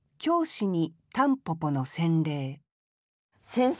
先生